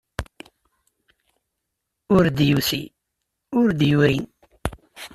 Ur d-yusi ur d-yuri.